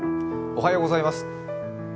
おはようございます。